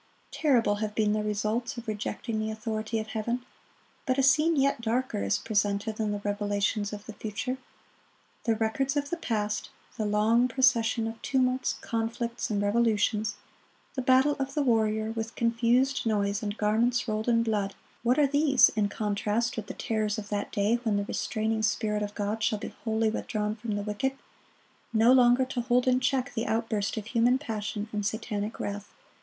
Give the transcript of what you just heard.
Terrible have been the results of rejecting the authority of Heaven. But a scene yet darker is presented in the revelations of the future. The records of the past,—the long procession of tumults, conflicts, and revolutions, the "battle of the warrior, with confused noise, and garments rolled in blood,"(49)—what are these, in contrast with the terrors of that day when the restraining Spirit of God shall be wholly withdrawn from the wicked, no longer to hold in check the outburst of human passion and satanic wrath!